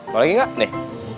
mau lagi nggak nih